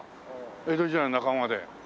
江戸時代のなかばまで」。